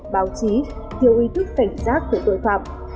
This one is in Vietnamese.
báo chí thiếu ý thức cảnh giác về tội phạm